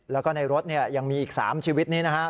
แล้วก็ในรถยังมีอีก๓ชีวิตนี้นะครับ